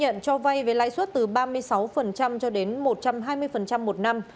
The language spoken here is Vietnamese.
đối tượng sẽ cho vai với lãi suất từ ba mươi sáu cho đến một trăm hai mươi một năm